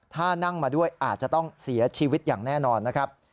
ถ้านั่งมาด้วยอาจจะต้องเสียชีวิตอย่างแน่นอนนะครับ